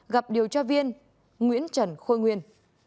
tiếp theo là thông tin về truy nã tội phạm